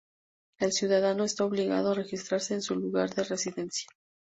El ciudadano está obligado a registrarse en su lugar de residencia.